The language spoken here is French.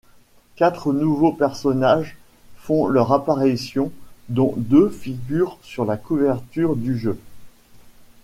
Quatre nouveaux personnages font leur apparition dont deux figurent sur la couverture du jeu.